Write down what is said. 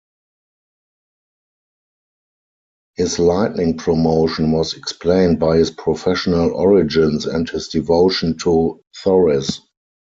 His lightning promotion was explained by his professional origins and his devotion to Thorez.